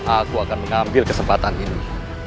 aku akan mengambil kesempatan ini